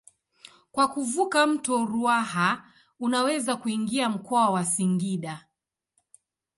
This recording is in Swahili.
Kwa kuvuka mto Ruaha unaweza kuingia mkoa wa Singida.